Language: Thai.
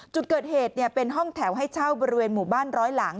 จุดเกิดเหตุเป็นห้องแถวให้เช่าบริเวณหมู่บ้านร้อยหลัง